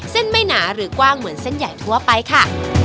เส้นไม่หนาหรือกว้างเหมือนเส้นใหญ่ทั่วไปค่ะ